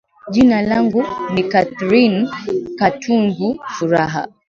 jina langu ni cathireen katungu furaha